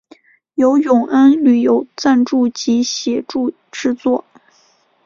由永安旅游赞助及协助制作。